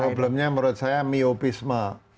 problemnya menurut saya miopisme